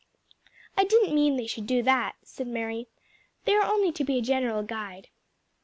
"I didn't mean they should do that," said Mary; "they are only to be a general guide."